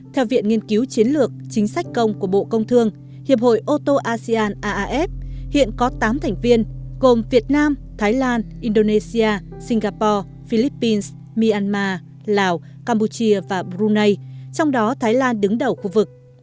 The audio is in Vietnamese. theo viện nghiên cứu chiến lược chính sách công của bộ công thương hiệp hội ô tô asean aaf hiện có tám thành viên gồm việt nam thái lan indonesia singapore philippines myanmar lào campuchia và brunei trong đó thái lan đứng đầu khu vực